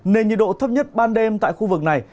nên nhiệt độ thấp nhất ban đêm tại khu vực này